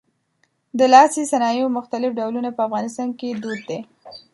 د لاسي صنایعو مختلف ډولونه په افغانستان کې دود دي.